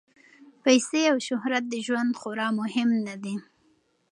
پیسې او شهرت د ژوند خورا مهم نه دي.